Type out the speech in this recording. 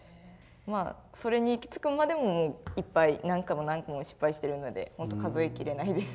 まあそれに行き着くまでももういっぱい何回も何個も失敗してるのでほんと数えきれないです。